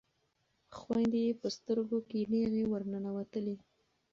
خویندې یې په سترګو کې نیغې ورننوتلې.